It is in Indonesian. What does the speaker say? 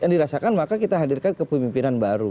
yang dirasakan maka kita hadirkan kepemimpinan baru